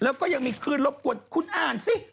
แล้วก็ยังมีคืนรบกวนคุณอ่านสิ